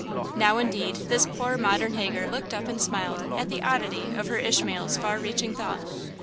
Now, indeed, this poor, modern Hagar looked up and smiled at the oddity of her Ishmael's far reaching thought.